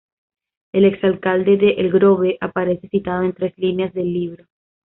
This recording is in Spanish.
El exalcalde de El Grove aparece citado en tres líneas del libro.